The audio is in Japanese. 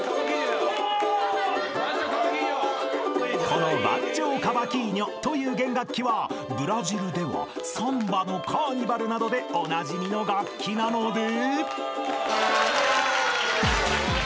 ［このバンジョー・カバキーニョという弦楽器はブラジルではサンバのカーニバルなどでおなじみの楽器なので］